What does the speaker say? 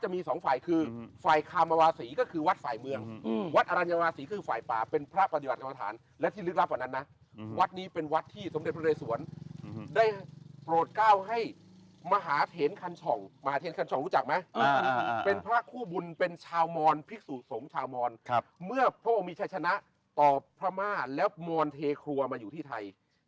เมื่อพระองค์มีชาชนะต่อพระม่าแล้วมวลเทครัวมาอยู่ที่ไทย